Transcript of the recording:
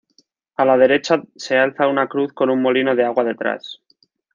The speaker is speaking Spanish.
A la derecha se alza una cruz con un molino de agua detrás.